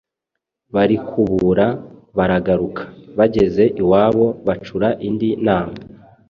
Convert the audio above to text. Barikubura baragaruka, bageze iwabo bacura indi nama,